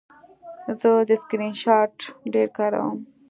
زه د سکرین شاټ ډېر کاروم.